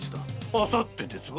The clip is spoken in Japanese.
あさってですが？